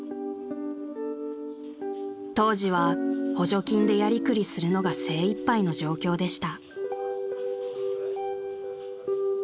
［当時は補助金でやりくりするのが精いっぱいの状況でした］